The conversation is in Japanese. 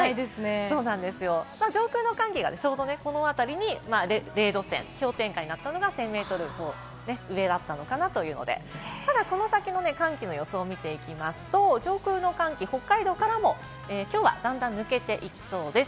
上空の寒気がちょうどこのあたりに０度線、氷点下になったのが１０００ｍ上だったのかなということで、この先の寒気の予想を見ていきますと、上空の寒気、北海道からもきょうは段々抜けていきそうです。